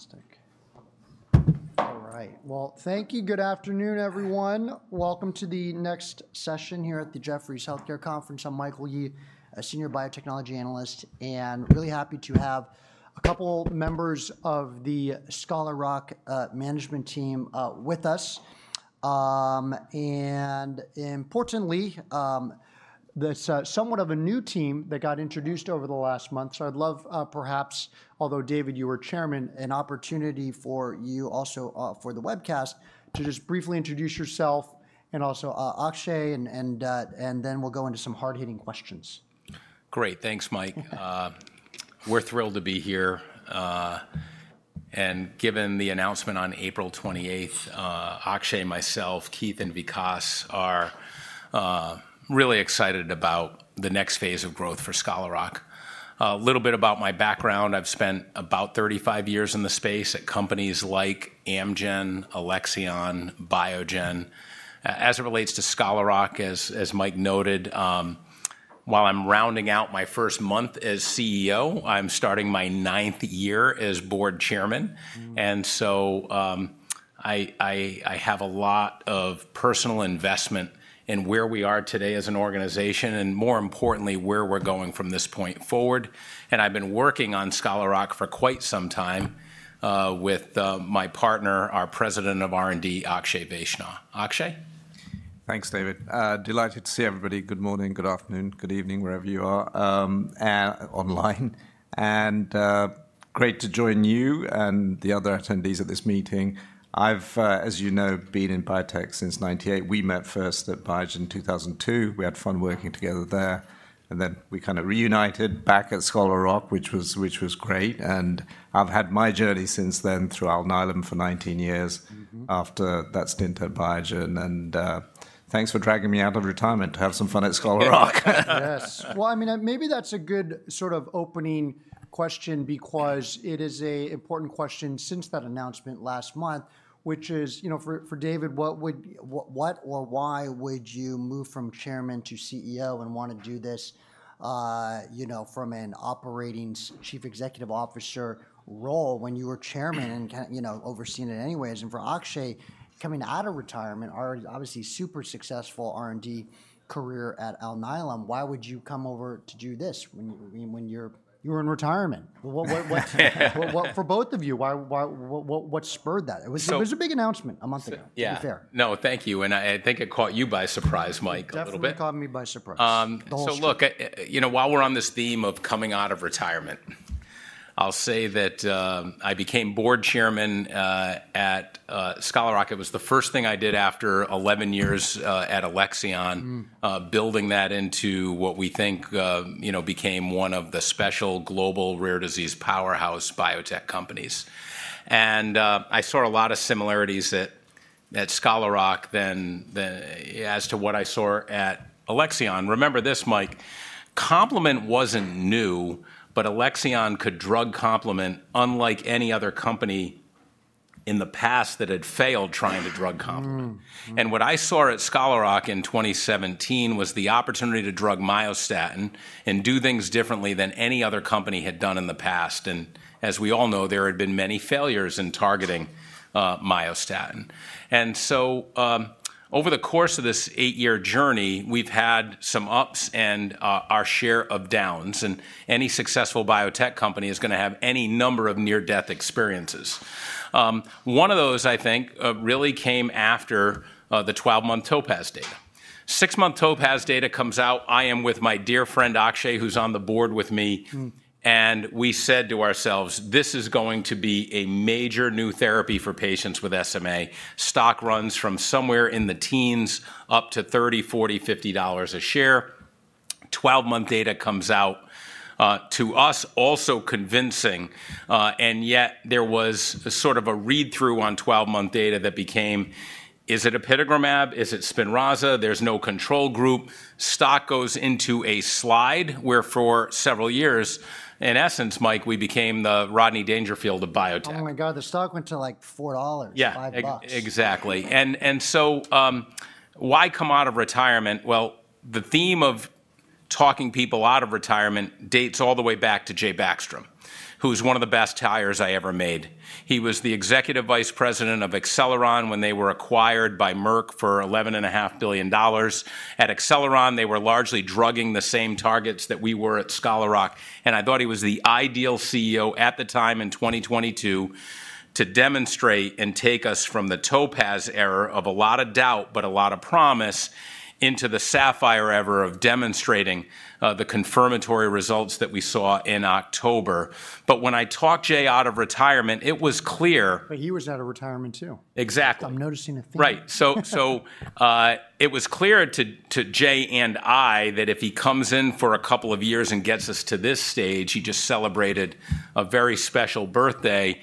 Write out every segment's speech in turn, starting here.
Fantastic. All right. Thank you. Good afternoon, everyone. Welcome to the next session here at the Jefferies Healthcare Conference. I'm Michael Yee, a senior biotechnology analyst, and really happy to have a couple members of the Scholar Rock management team with us. Importantly, that's somewhat of a new team that got introduced over the last month. I'd love, perhaps, although David, you were chairman, an opportunity for you also for the webcast to just briefly introduce yourself and also Akshay, and then we'll go into some hard-hitting questions. Great. Thanks, Mike. We're thrilled to be here. Given the announcement on April 28, Akshay, myself, Keith, and Vikas are really excited about the next phase of growth for Scholar Rock. A little bit about my background: I've spent about 35 years in the space at companies like Amgen, Alexion, Biogen. As it relates to Scholar Rock, as Mike noted, while I'm rounding out my first month as CEO, I'm starting my ninth year as board chairman. I have a lot of personal investment in where we are today as an organization and, more importantly, where we're going from this point forward. I've been working on Scholar Rock for quite some time with my partner, our President of R&D, Akshay Vaishnaw. Akshay? Thanks, David. Delighted to see everybody. Good morning, good afternoon, good evening, wherever you are online. Great to join you and the other attendees at this meeting. I've, as you know, been in biotech since 1998. We met first at Biogen in 2002. We had fun working together there. We kind of reunited back at Scholar Rock, which was great. I've had my journey since then through Alnylam for 19 years after that stint at Biogen. Thanks for dragging me out of retirement to have some fun at Scholar Rock. Yes. I mean, maybe that's a good sort of opening question because it is an important question since that announcement last month, which is, you know, for David, what would what or why would you move from Chairman to CEO and want to do this, you know, from an operating Chief Executive Officer role when you were Chairman and kind of, you know, overseeing it anyways? And for Akshay, coming out of retirement, obviously super successful R&D career at Alnylam, why would you come over to do this when you're in retirement? For both of you, what spurred that? It was a big announcement a month ago. Yeah. No, thank you. I think it caught you by surprise, Mike, a little bit. Definitely caught me by surprise. Look, you know, while we're on this theme of coming out of retirement, I'll say that I became board chairman at Scholar Rock. It was the first thing I did after 11 years at Alexion, building that into what we think, you know, became one of the special global rare disease powerhouse biotech companies. I saw a lot of similarities at Scholar Rock then as to what I saw at Alexion. Remember this, Mike, complement wasn't new, but Alexion could drug complement unlike any other company in the past that had failed trying to drug complement. What I saw at Scholar Rock in 2017 was the opportunity to drug Myostatin and do things differently than any other company had done in the past. As we all know, there had been many failures in targeting Myostatin. Over the course of this eight-year journey, we've had some ups and our share of downs. Any successful biotech company is going to have any number of near-death experiences. One of those, I think, really came after the 12-month TOPAZ data. Six-month TOPAZ data comes out. I am with my dear friend Akshay, who's on the board with me. We said to ourselves, this is going to be a major new therapy for patients with SMA. Stock runs from somewhere in the teens up to $30, $40, $50 a share. Twelve-month data comes out to us also convincing. Yet there was sort of a read-through on 12-month data that became, is it apitegromab? Is it Spinraza? There's no control group. Stock goes into a slide where for several years, in essence, Mike, we became the Rodney Dangerfield of biotech. `Oh my God, the stock went to like $4, $5. Yeah, exactly. Why come out of retirement? The theme of talking people out of retirement dates all the way back to Jay Backstrom, who is one of the best hires I ever made. He was the Executive Vice President of Acceleron when they were acquired by Merck for $11.5 billion. At Acceleron, they were largely drugging the same targets that we were at Scholar Rock. I thought he was the ideal CEO at the time in 2022 to demonstrate and take us from the TOPAZ era of a lot of doubt, but a lot of promise, into the SAPPHIRE era of demonstrating the confirmatory results that we saw in October. When I talked Jay out of retirement, it was clear. He was out of retirement too. Exactly. I'm noticing a thing. Right. It was clear to Jay and I that if he comes in for a couple of years and gets us to this stage, he just celebrated a very special birthday.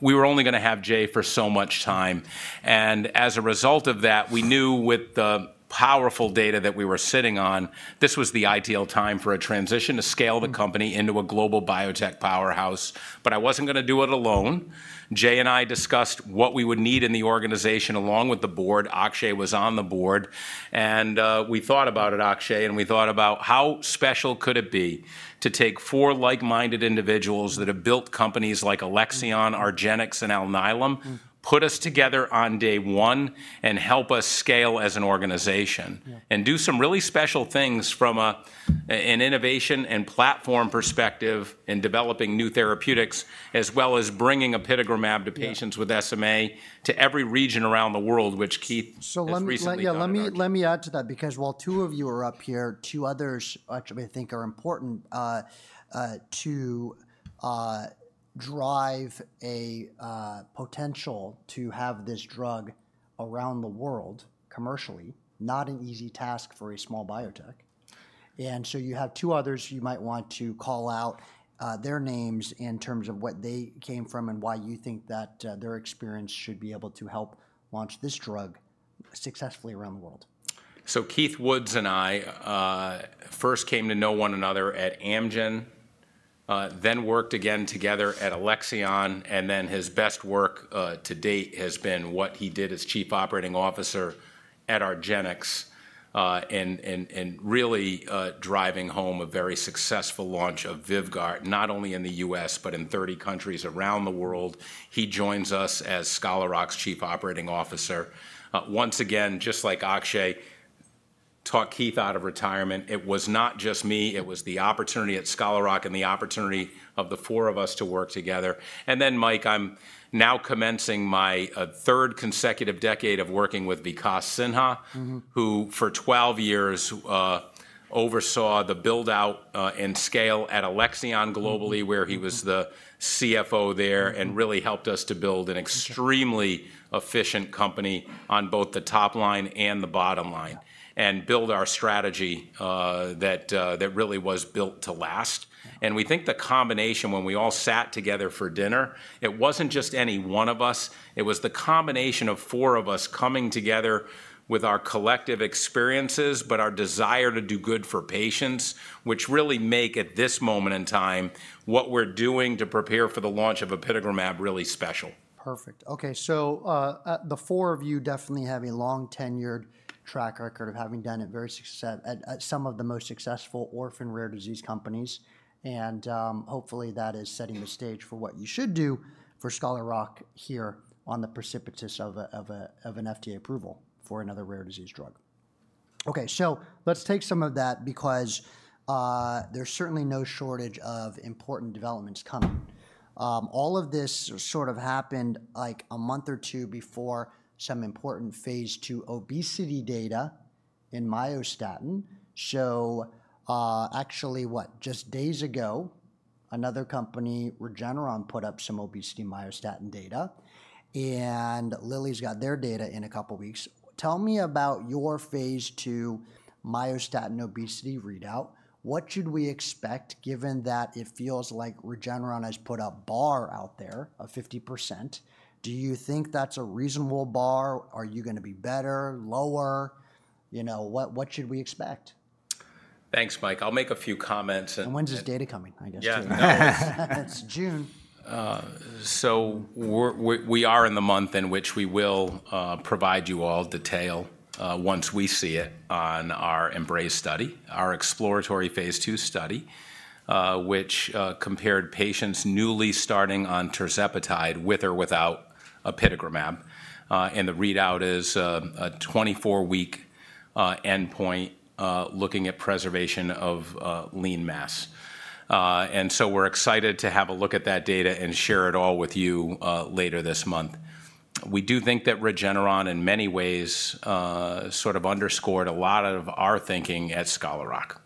We were only going to have Jay for so much time. As a result of that, we knew with the powerful data that we were sitting on, this was the ideal time for a transition to scale the company into a global biotech powerhouse. I was not going to do it alone. Jay and I discussed what we would need in the organization along with the board. Akshay was on the board. We thought about it, Akshay, and we thought about how special could it be to take four like-minded individuals that have built companies like Alexion, Argenx, and Alnylam, put us together on day one, and help us scale as an organization, and do some really special things from an innovation and platform perspective in developing new therapeutics, as well as bringing apitegromab to patients with SMA to every region around the world, which Keith just recently. Let me add to that because while two of you are up here, two others actually I think are important to drive a potential to have this drug around the world commercially, not an easy task for a small biotech. You have two others you might want to call out their names in terms of what they came from and why you think that their experience should be able to help launch this drug successfully around the world. Keith Woods and I first came to know one another at Amgen, then worked again together at Alexion. His best work to date has been what he did as Chief Operating Officer at Argenx and really driving home a very successful launch of VYVGART, not only in the U.S., but in 30 countries around the world. He joins us as Scholar Rock's Chief Operating Officer. Once again, just like Akshay, talk Keith out of retirement. It was not just me. It was the opportunity at Scholar Rock and the opportunity of the four of us to work together. Mike, I'm now commencing my third consecutive decade of working with Vikas Sinha, who for 12 years oversaw the build-out and scale at Alexion globally, where he was the CFO there and really helped us to build an extremely efficient company on both the top line and the bottom line and build our strategy that really was built to last. We think the combination when we all sat together for dinner, it wasn't just any one of us. It was the combination of four of us coming together with our collective experiences, but our desire to do good for patients, which really make at this moment in time what we're doing to prepare for the launch of apitegromab really special. Perfect. Okay. The four of you definitely have a long tenured track record of having done it very successful at some of the most successful orphan rare disease companies. Hopefully that is setting the stage for what you should do for Scholar Rock here on the precipice of an FDA approval for another rare disease drug. Okay. Let's take some of that because there's certainly no shortage of important developments coming. All of this sort of happened like a month or two before some important phase II obesity data in Myostatin. Actually, just days ago, another company, Regeneron, put up some obesity Myostatin data. Lilly's got their data in a couple of weeks. Tell me about your phase II Myostatin obesity readout. What should we expect given that it feels like Regeneron has put a bar out there of 50%? Do you think that's a reasonable bar? Are you going to be better, lower? You know, what should we expect? Thanks, Mike. I'll make a few comments. When's this data coming, I guess? Yeah. That's June. We are in the month in which we will provide you all detail once we see it on our EMBRAZE study, our exploratory phase II study, which compared patients newly starting on tirzepatide with or without apitegromab. The readout is a 24-week endpoint looking at preservation of lean mass. We are excited to have a look at that data and share it all with you later this month. We do think that Regeneron in many ways sort of underscored a lot of our thinking at Scholar Rock.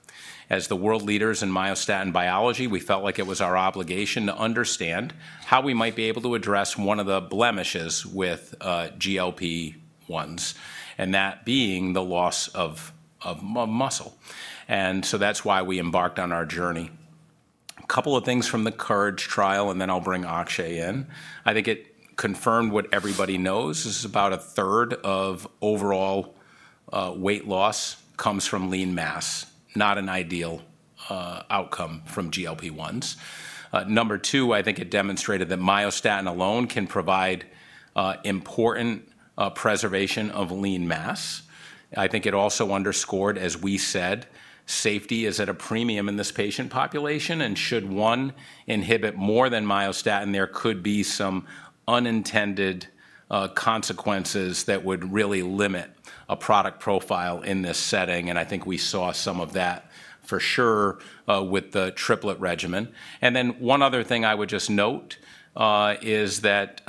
As the world leaders in Myostatin biology, we felt like it was our obligation to understand how we might be able to address one of the blemishes with GLP-1s, that being the loss of muscle. That is why we embarked on our journey. A couple of things from the COURAGE trial, and then I'll bring Akshay in. I think it confirmed what everybody knows is about a third of overall weight loss comes from lean mass, not an ideal outcome from GLP-1s. Number two, I think it demonstrated that Myostatin alone can provide important preservation of lean mass. I think it also underscored, as we said, safety is at a premium in this patient population. Should one inhibit more than Myostatin, there could be some unintended consequences that would really limit a product profile in this setting. I think we saw some of that for sure with the triplet regimen. One other thing I would just note is that,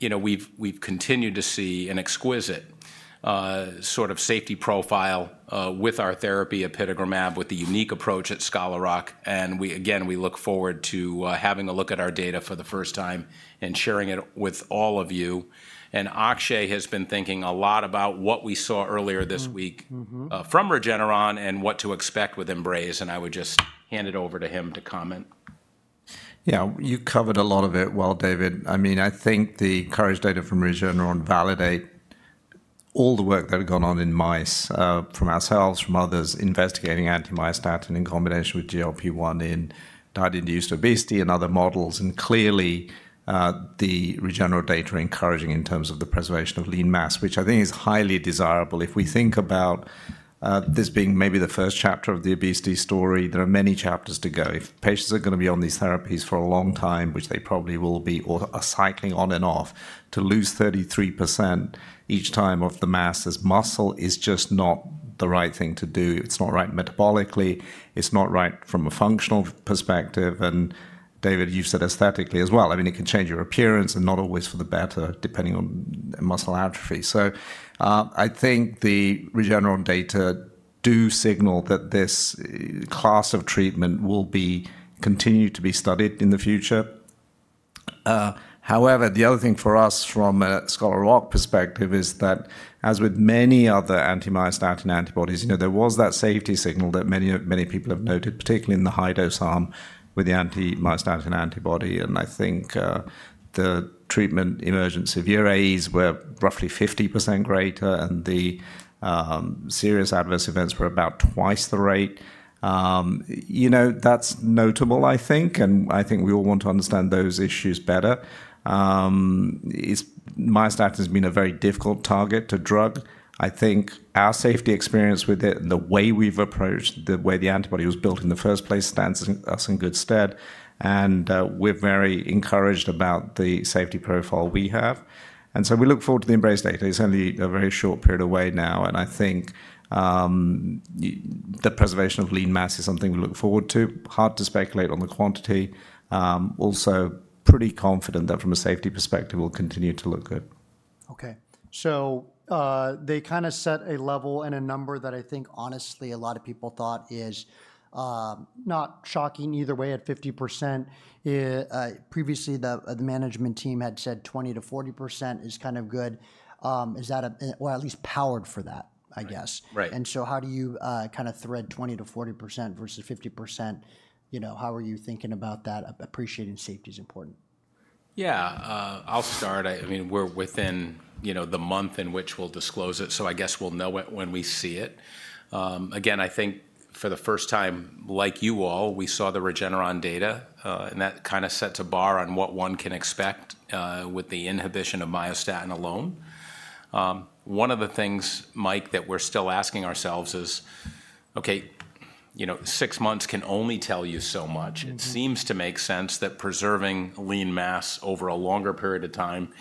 you know, we've continued to see an exquisite sort of safety profile with our therapy apitegromab with the unique approach at Scholar Rock. We look forward to having a look at our data for the first time and sharing it with all of you. Akshay has been thinking a lot about what we saw earlier this week from Regeneron and what to expect with EMBRAZE. I would just hand it over to him to comment. Yeah, you covered a lot of it well, David. I mean, I think the COURAGE data from Regeneron validate all the work that had gone on in mice from ourselves, from others investigating anti-Myostatin in combination with GLP-1 in diet-induced obesity and other models. Clearly, the Regeneron data are encouraging in terms of the preservation of lean mass, which I think is highly desirable. If we think about this being maybe the first chapter of the obesity story, there are many chapters to go. If patients are going to be on these therapies for a long time, which they probably will be, or cycling on and off to lose 33% each time of the masses, muscle is just not the right thing to do. It's not right metabolically. It's not right from a functional perspective. David, you've said aesthetically as well. I mean, it can change your appearance and not always for the better depending on muscle atrophy. I think the Regeneron data do signal that this class of treatment will continue to be studied in the future. However, the other thing for us from a Scholar Rock perspective is that as with many other anti-Myostatin antibodies, you know, there was that safety signal that many people have noted, particularly in the high-dose arm with the anti-Myostatin antibody. I think the treatment emergent severe AEs were roughly 50% greater, and the serious adverse events were about twice the rate. You know, that's notable, I think. I think we all want to understand those issues better. Myostatin has been a very difficult target to drug. I think our safety experience with it and the way we've approached the way the antibody was built in the first place stands us in good stead. We are very encouraged about the safety profile we have. We look forward to the EMBRAZE data. It is only a very short period away now. I think the preservation of lean mass is something we look forward to. Hard to speculate on the quantity. Also pretty confident that from a safety perspective, we will continue to look good. Okay. They kind of set a level and a number that I think honestly a lot of people thought is not shocking either way at 50%. Previously, the management team had said 20%-40% is kind of good. Is that, or at least powered for that, I guess. Right. How do you kind of thread 20%-40% versus 50%? You know, how are you thinking about that? Appreciating safety is important. Yeah, I'll start. I mean, we're within, you know, the month in which we'll disclose it. I guess we'll know it when we see it. Again, I think for the first time, like you all, we saw the Regeneron data, and that kind of sets a bar on what one can expect with the inhibition of Myostatin alone. One of the things, Mike, that we're still asking ourselves is, okay, you know, six months can only tell you so much. It seems to make sense that preserving lean mass over a longer period of time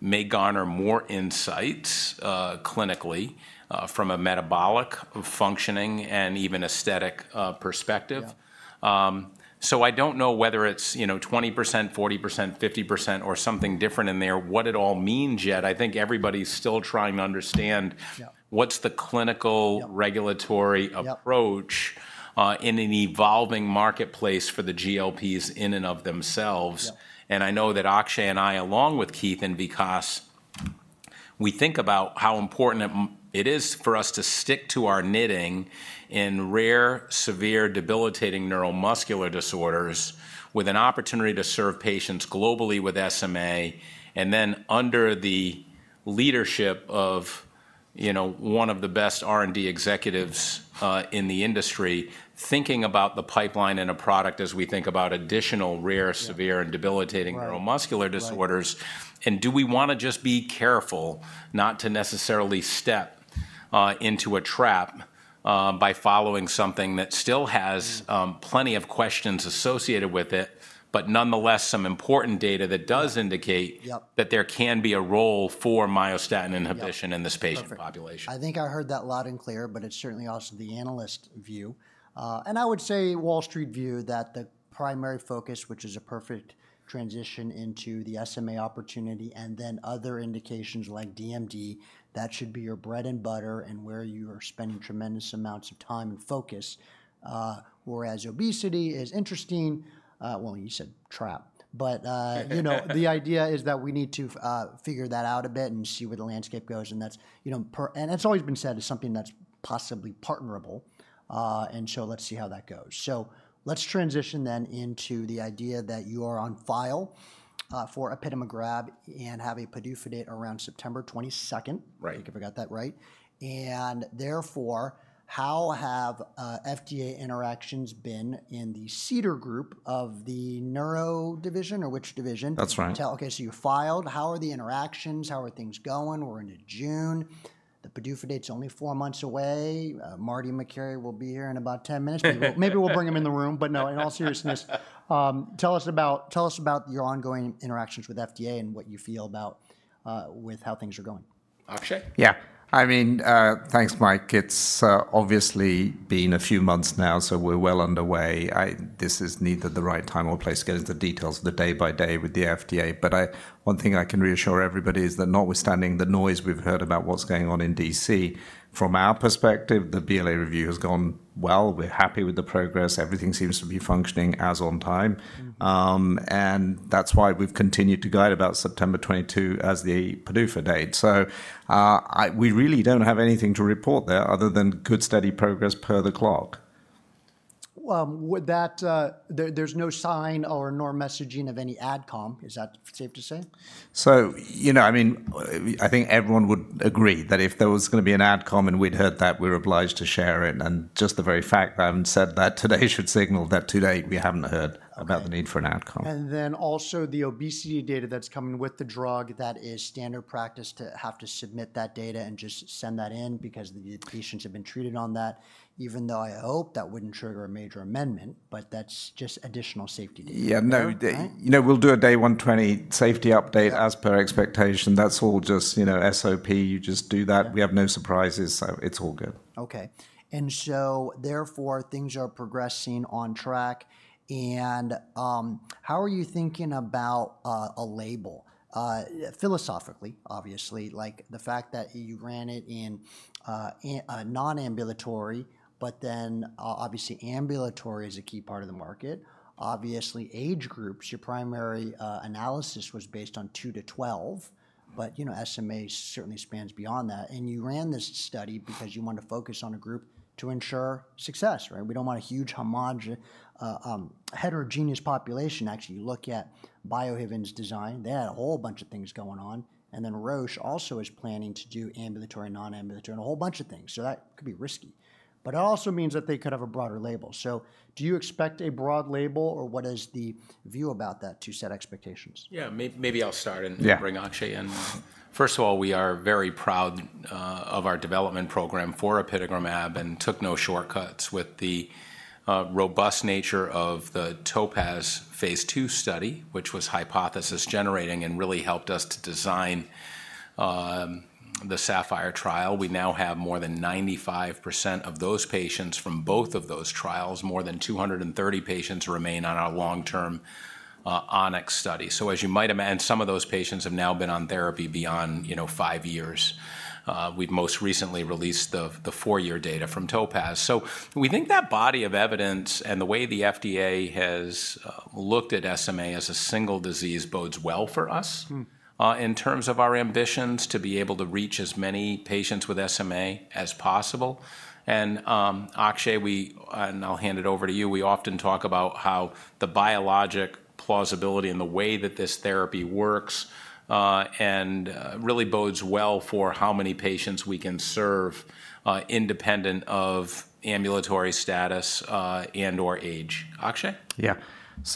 may garner more insights clinically from a metabolic functioning and even aesthetic perspective. I don't know whether it's, you know, 20%, 40%, 50%, or something different in there, what it all means yet. I think everybody's still trying to understand what's the clinical regulatory approach in an evolving marketplace for the GLPs in and of themselves. I know that Akshay and I, along with Keith and Vikas, we think about how important it is for us to stick to our knitting in rare, severe, debilitating neuromuscular disorders with an opportunity to serve patients globally with SMA. Under the leadership of, you know, one of the best R&D executives in the industry, thinking about the pipeline and a product as we think about additional rare, severe, and debilitating neuromuscular disorders. Do we want to just be careful not to necessarily step into a trap by following something that still has plenty of questions associated with it, but nonetheless some important data that does indicate that there can be a role for Myostatin inhibition in this patient population? I think I heard that loud and clear, but it's certainly also the analyst view. I would say Wall Street view that the primary focus, which is a perfect transition into the SMA opportunity and then other indications like DMD, that should be your bread and butter and where you are spending tremendous amounts of time and focus. Whereas obesity is interesting. You said trap, but you know, the idea is that we need to figure that out a bit and see where the landscape goes. That's, you know, and it's always been said as something that's possibly partnerable. Let's see how that goes. Let's transition then into the idea that you are on file for apitegromab and have a PDUFA around September 22. Right. If I got that right. Therefore, how have FDA interactions been in the CDER group of the neuro division or which division? That's right. Okay. So you filed. How are the interactions? How are things going? We're into June. The PDUFA is only four months away. Marty McCary will be here in about 10 minutes. Maybe we'll bring him in the room, but no, in all seriousness, tell us about your ongoing interactions with FDA and what you feel about how things are going. Akshay? Yeah. I mean, thanks, Mike. It's obviously been a few months now, so we're well underway. This is neither the right time or place to get into the details of the day by day with the FDA. One thing I can reassure everybody is that notwithstanding the noise we've heard about what's going on in D.C., from our perspective, the BLA review has gone well. We're happy with the progress. Everything seems to be functioning as on time. That's why we've continued to guide about September 22 as the PDUFA date. We really don't have anything to report there other than good steady progress per the clock. There's no sign or messaging of any adcom. Is that safe to say? You know, I mean, I think everyone would agree that if there was going to be an adcom and we'd heard that, we're obliged to share it. Just the very fact that I haven't said that today should signal that today we haven't heard about the need for an adcom. The obesity data that is coming with the drug, that is standard practice to have to submit that data and just send that in because the patients have been treated on that, even though I hope that would not trigger a major amendment, but that is just additional safety data. Yeah, no, you know, we'll do a day 120 safety update as per expectation. That's all just, you know, SOP. You just do that. We have no surprises. So it's all good. Okay. Therefore, things are progressing on track. How are you thinking about a label? Philosophically, obviously, like the fact that you ran it in non-ambulatory, but then obviously ambulatory is a key part of the market. Obviously, age groups, your primary analysis was based on 2-12, but you know, SMA certainly spans beyond that. You ran this study because you want to focus on a group to ensure success, right? We do not want a huge homogeneous population. Actually, you look at Biohaven's design, they had a whole bunch of things going on. Roche also is planning to do ambulatory, non-ambulatory, and a whole bunch of things. That could be risky, but it also means that they could have a broader label. Do you expect a broad label or what is the view about that to set expectations? Yeah, maybe I'll start and bring Akshay in. First of all, we are very proud of our development program for apitegromab and took no shortcuts with the robust nature of the TOPAZ phase II study, which was hypothesis generating and really helped us to design the SAPPHIRE trial. We now have more than 95% of those patients from both of those trials. More than 230 patients remain on our long-term Onyx study. As you might imagine, some of those patients have now been on therapy beyond, you know, five years. We've most recently released the four-year data from TOPAZ. We think that body of evidence and the way the FDA has looked at SMA as a single disease bodes well for us in terms of our ambitions to be able to reach as many patients with SMA as possible. Akshay, I will hand it over to you. We often talk about how the biologic plausibility and the way that this therapy works really bodes well for how many patients we can serve independent of ambulatory status and/or age. Akshay? Yeah.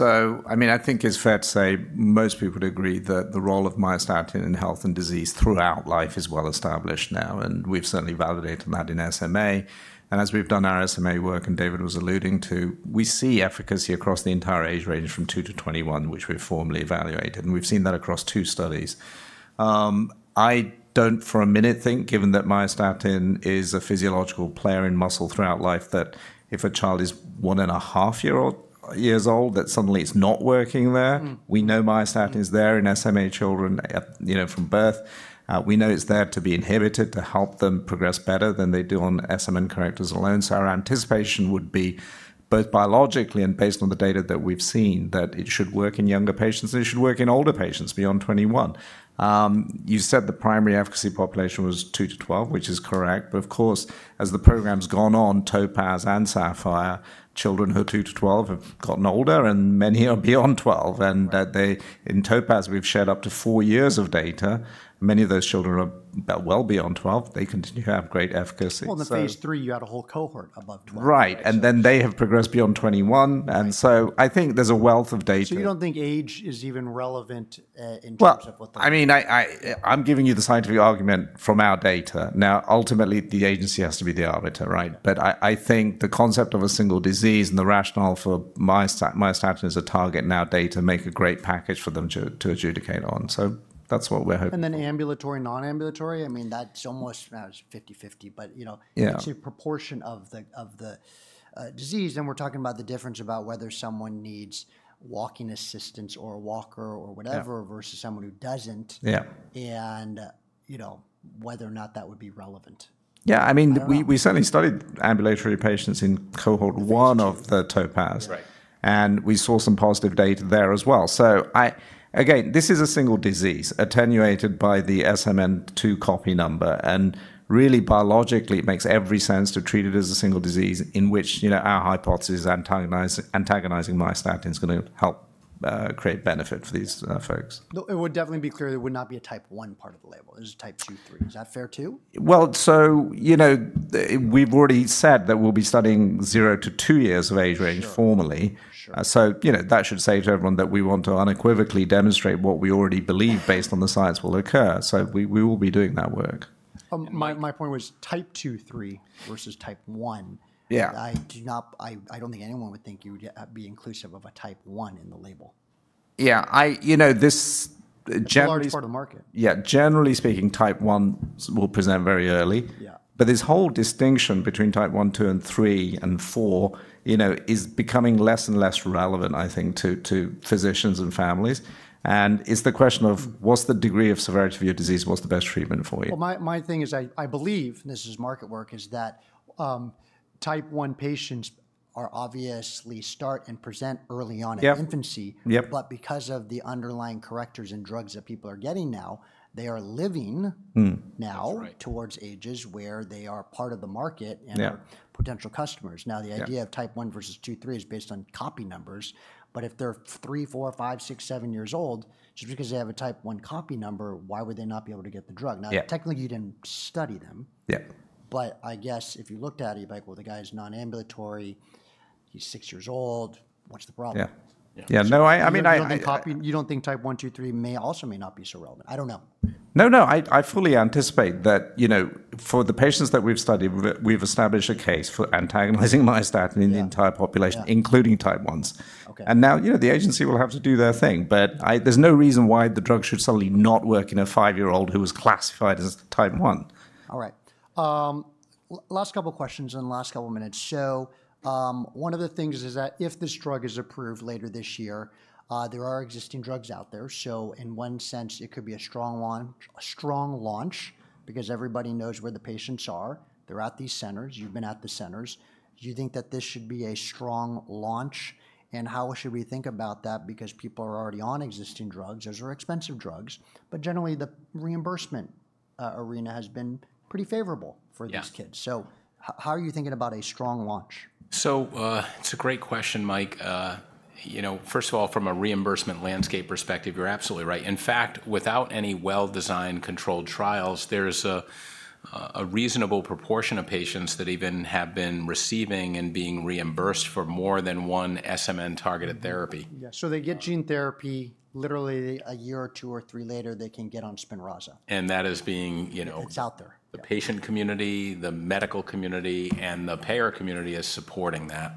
I mean, I think it's fair to say most people agree that the role of Myostatin in health and disease throughout life is well established now. We've certainly validated that in SMA. As we've done our SMA work, and David was alluding to, we see efficacy across the entire age range from 2 to 21, which we've formally evaluated. We've seen that across two studies. I don't for a minute think, given that Myostatin is a physiological player in muscle throughout life, that if a child is one and a half years old, that suddenly it's not working there. We know Myostatin is there in SMA children, you know, from birth. We know it's there to be inhibited to help them progress better than they do on SMN correctors alone. Our anticipation would be both biologically and based on the data that we've seen that it should work in younger patients and it should work in older patients beyond 21. You said the primary efficacy population was 2-12, which is correct. Of course, as the program's gone on, TOPAZ and SAPPHIRE, children who are 2-12 have gotten older and many are beyond 12. In TOPAZ, we've shared up to four years of data. Many of those children are well beyond 12. They continue to have great efficacy. In the phase three, you had a whole cohort above 12. Right. They have progressed beyond 21. I think there's a wealth of data. You don't think age is even relevant in terms of what the... I mean, I'm giving you the scientific argument from our data. Now, ultimately, the agency has to be the arbiter, right? I think the concept of a single disease and the rationale for Myostatin as a target now, data make a great package for them to adjudicate on. That's what we're hoping. Ambulatory, non-ambulatory, I mean, that's almost 50/50, but you know, it's a proportion of the disease. And we're talking about the difference about whether someone needs walking assistance or a walker or whatever versus someone who doesn't. Yeah. You know, whether or not that would be relevant. Yeah. I mean, we certainly studied ambulatory patients in cohort one of the TOPAZ. And we saw some positive data there as well. Again, this is a single disease attenuated by the SMN2 copy number. And really, biologically, it makes every sense to treat it as a single disease in which, you know, our hypothesis is antagonizing Myostatin is going to help create benefit for these folks. It would definitely be clear there would not be a type 1 part of the label. There's a type 2, 3. Is that fair too? You know, we've already said that we'll be studying zero to two years of age range formally. You know, that should say to everyone that we want to unequivocally demonstrate what we already believe based on the science will occur. We will be doing that work. My point was type 2, 3 versus type 1. Yeah. I don't think anyone would think you would be inclusive of a type one in the label. Yeah. I, you know, this... Large part of the market. Yeah. Generally speaking, type one will present very early. This whole distinction between type one, two, and three and four, you know, is becoming less and less relevant, I think, to physicians and families. It is the question of what's the degree of severity of your disease? What's the best treatment for you? I believe, and this is market work, is that type one patients are obviously start and present early on in infancy. Yeah. Because of the underlying correctors and drugs that people are getting now, they are living now towards ages where they are part of the market and potential customers. The idea of type one versus two, three is based on copy numbers. If they are three, four, five, six, seven years old, just because they have a type one copy number, why would they not be able to get the drug? Technically, you did not study them. Yeah. I guess if you looked at it, you'd be like, well, the guy's non-ambulatory. He's six years old. What's the problem? Yeah. Yeah. No, I mean, I... You don't think type one, two, three may also may not be so relevant. I don't know. No, no. I fully anticipate that, you know, for the patients that we've studied, we've established a case for antagonizing Myostatin in the entire population, including type ones. And now, you know, the agency will have to do their thing, but there's no reason why the drug should suddenly not work in a five-year-old who was classified as type one. All right. Last couple of questions and last couple of minutes. One of the things is that if this drug is approved later this year, there are existing drugs out there. In one sense, it could be a strong launch because everybody knows where the patients are. They're at these centers. You've been at the centers. Do you think that this should be a strong launch? How should we think about that? People are already on existing drugs. Those are expensive drugs. Generally, the reimbursement arena has been pretty favorable for these kids. How are you thinking about a strong launch? It's a great question, Mike. You know, first of all, from a reimbursement landscape perspective, you're absolutely right. In fact, without any well-designed controlled trials, there's a reasonable proportion of patients that even have been receiving and being reimbursed for more than one SMN targeted therapy. Yeah. So they get gene therapy literally a year or two or three later, they can get on Spinraza. That is being, you know... It's out there. The patient community, the medical community, and the payer community is supporting that.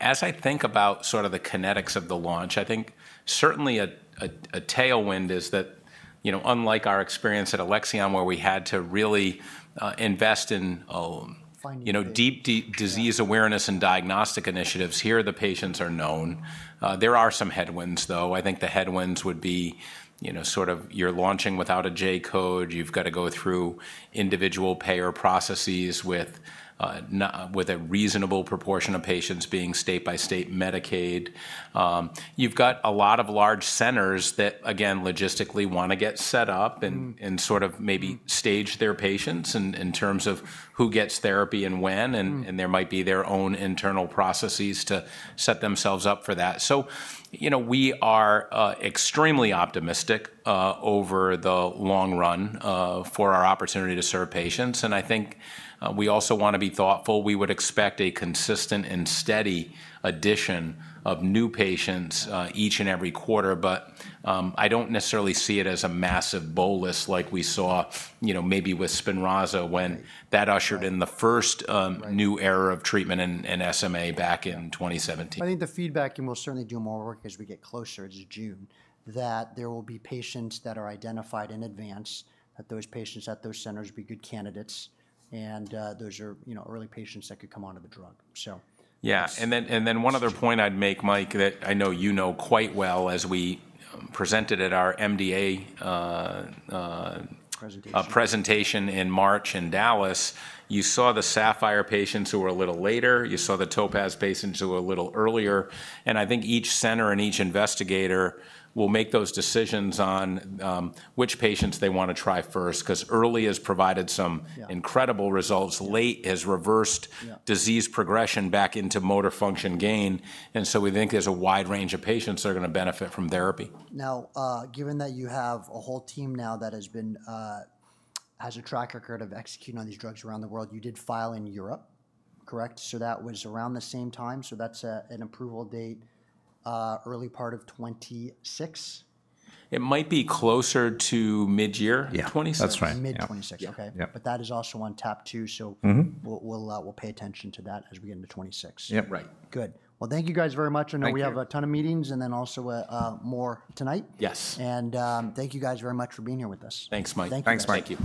As I think about sort of the kinetics of the launch, I think certainly a tailwind is that, you know, unlike our experience at Alexion, where we had to really invest in, you know, deep disease awareness and diagnostic initiatives, here the patients are known. There are some headwinds, though. I think the headwinds would be, you know, sort of you're launching without a J-code. You've got to go through individual payer processes with a reasonable proportion of patients being state by state Medicaid. You've got a lot of large centers that, again, logistically want to get set up and sort of maybe stage their patients in terms of who gets therapy and when. There might be their own internal processes to set themselves up for that. You know, we are extremely optimistic over the long run for our opportunity to serve patients. I think we also want to be thoughtful. We would expect a consistent and steady addition of new patients each and every quarter, but I do not necessarily see it as a massive bolus like we saw, you know, maybe with Spinraza when that ushered in the first new era of treatment in SMA back in 2017. I think the feedback, and we'll certainly do more work as we get closer to June, that there will be patients that are identified in advance, that those patients at those centers would be good candidates. Those are, you know, early patients that could come onto the drug. So... Yeah. One other point I'd make, Mike, that I know you know quite well as we presented at our MDA presentation in March in Dallas, you saw the SAPPHIRE patients who were a little later. You saw the TOPAZ patients who were a little earlier. I think each center and each investigator will make those decisions on which patients they want to try first because early has provided some incredible results. Late has reversed disease progression back into motor function gain. We think there's a wide range of patients that are going to benefit from therapy. Now, given that you have a whole team now that has been a track record of executing on these drugs around the world, you did file in Europe, correct? So that was around the same time. So that's an approval date, early part of 2026? It might be closer to mid-year. Yeah, that's right. Mid 2026. Okay. That is also on tap too. We'll pay attention to that as we get into 2026. Yeah, right. Good. Thank you guys very much. I know we have a ton of meetings and then also more tonight. Yes. Thank you guys very much for being here with us. Thanks, Mike. Thanks, Mike.